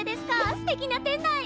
すてきな店内！